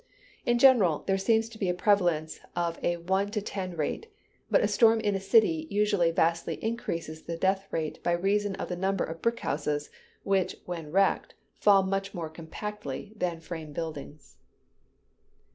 In general, there seems to be a prevalence of a one to ten rate: but a storm in a city usually vastly increases the death rate by reason of the number of brick houses, which, when wrecked, fall much more compactly than frame buildings. [Illustration: MINNESOTA TORNADO, FORMING LATERAL SPURS.